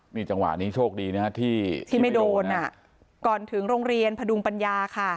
นี่จังหวะนี้โชคดีนะฮะที่ไม่โดนอ่ะก่อนถึงโรงเรียนพดุงปัญญาค่ะ